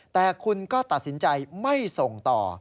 แต่คุณก็ตัดสินใจไม่ส่งต่อ